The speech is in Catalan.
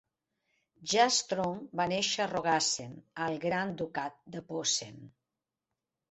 Jastrow va néixer a Rogasen al Gran Ducat de Posen.